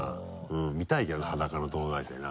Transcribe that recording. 見たいけどな裸の東大生な。